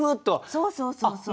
そうそうそうそう。